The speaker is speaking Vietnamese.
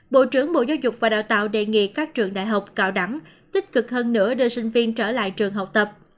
bộ trưởng bộ giáo dục và đào tạo đề nghị các trường đại học cao đẳng tích cực hơn nữa đưa sinh viên trở lại trường học tập